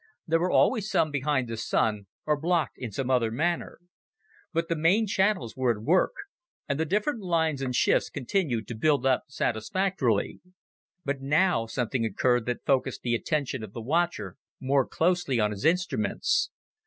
There were always some behind the Sun, or blocked in some other manner. But the main channels were at work, and the different lines and shifts continued to build up satisfactorily. But now something occurred that focused the attention of the watcher more closely on his instruments.